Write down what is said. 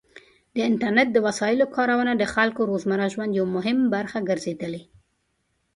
د انټرنیټ د وسایلو کارونه د خلکو د روزمره ژوند یو مهم برخه ګرځېدلې.